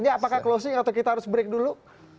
ini apakah closing atau kita harus break dulu